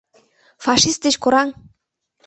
— Фашист деч кораҥ!